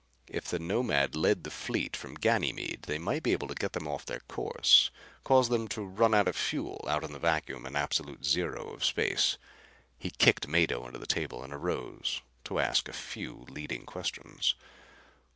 If the Nomad led the fleet from Ganymede they might be able to get them off their course; cause them to run out of fuel out in the vacuum and absolute zero of space. He kicked Mado under the table and arose to ask a few leading questions.